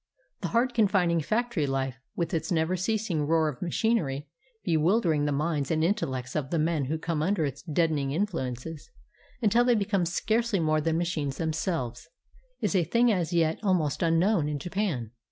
The hard, confining factory life, with its never ceasing roar of machinery, bewildering the minds and intellects of the men who come under its deadening influences, until they become scarcely more than machines themselves, is a thing as yet almost unknown in Japan.